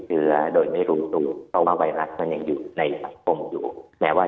เชื้อโดยไม่รู้ตัวเพราะว่าไวรัสมันยังอยู่ในสังคมอยู่แม้ว่า